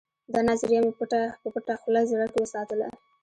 دا نظریه مې په پټه خوله زړه کې وساتله